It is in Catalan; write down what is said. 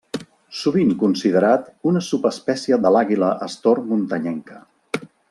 Sovint considerat una subespècie de l'àguila astor muntanyenca.